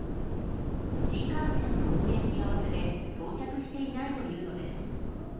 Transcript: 新幹線の運転見合わせで到着していないというのです。